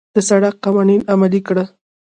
د سړک قوانين عملي کړه.